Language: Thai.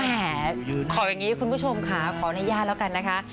ขออย่างนี้คุณผู้ชมค่ะขออนุญาตแล้วกันนะคะ